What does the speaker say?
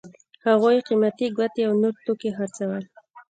هغوی قیمتي ګوتې او نور توکي خرڅول.